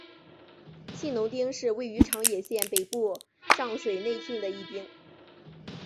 信浓町是位于长野县北部上水内郡的一町。